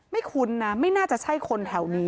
คุ้นนะไม่น่าจะใช่คนแถวนี้